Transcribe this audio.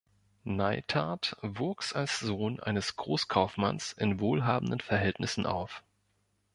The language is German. Neithardt wuchs als Sohn eines Großkaufmanns in wohlhabenden Verhältnissen auf.